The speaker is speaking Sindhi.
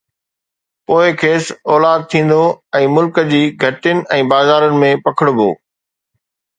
پوءِ کيس اولاد ٿيندو ۽ ملڪ جي گهٽين ۽ بازارن ۾ پکڙبو.